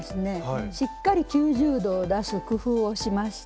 しっかり９０度を出す工夫をしました。